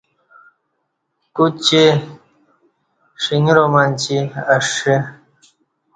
گوچی ݜݩگرامنچی اݜہ